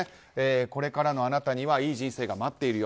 これからのあなたにはいい人生が待っているよ。